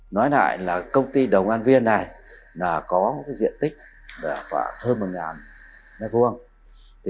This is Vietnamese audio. nói lại là công ty đồng an viên này là có diện tích khoảng hơn một nghìn m hai